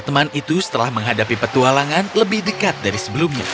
teman itu setelah menghadapi petualangan lebih dekat dari sebelumnya